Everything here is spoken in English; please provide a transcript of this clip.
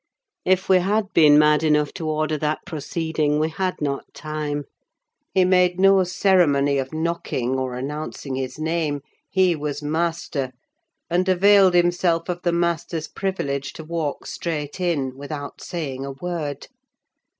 If we had been mad enough to order that proceeding, we had not time. He made no ceremony of knocking or announcing his name: he was master, and availed himself of the master's privilege to walk straight in, without saying a word.